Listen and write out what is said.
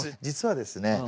実はですね